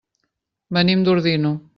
Venim d'Ordino.